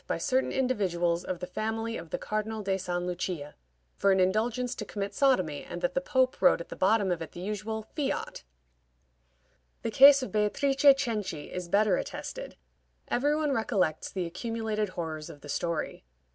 by certain individuals of the family of the Cardinal of St. Lucia for an indulgence to commit sodomy, and that the Pope wrote at the bottom of it the usual "Fiat." The case of Beatrice Cenci is better attested. Every one recollects the accumulated horrors of the story.